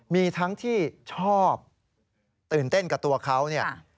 มีทั้งที่ชอบตื่นเต้นกับตัวเขาเนี่ย